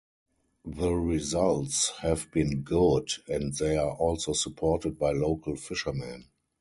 The results have been good and they are also supported by local fishermen.